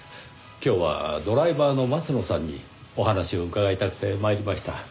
今日はドライバーの松野さんにお話を伺いたくて参りました。